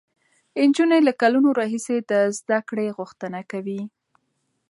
نجونې له کلونو راهیسې د زده کړې غوښتنه کوي.